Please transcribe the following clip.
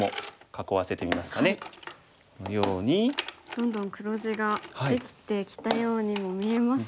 どんどん黒地ができてきたようにも見えますが。